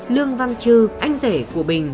lương văn trư anh rể của bình